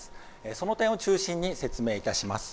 その点を中心に説明いたします。